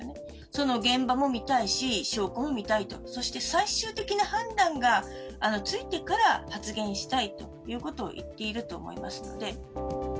その現場も見たいし、証拠も見たいと、そして最終的な判断がついてから、発言したいということを言っていると思いますので。